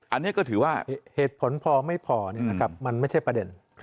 อันนี้ก็ถือว่าเหตุผลพอไม่พอมันไม่ใช่ประเด็น